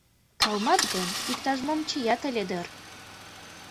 Кылмат гын, иктаж-мом чият ыле дыр.